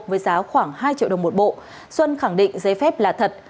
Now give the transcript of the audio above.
với giá khoảng hai triệu đồng một bộ xuân khẳng định giấy phép là thật